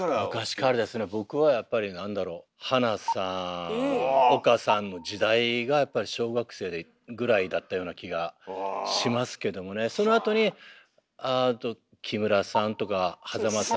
僕はやっぱり何だろう花さん岡さんの時代がやっぱり小学生ぐらいだったような気がしますけどもねそのあとに木村さんとか間さん。